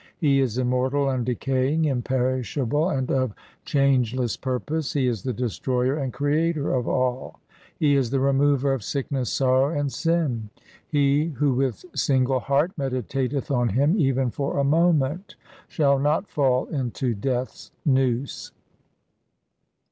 He is immortal, undecaying, imperishable, and of change less purpose. He is the Destroyer and Creator of all ; He is the Remover of sickness, sorrow, and sin. He who with single heart meditateth on Him even for a moment Shall not fall into Death's noose.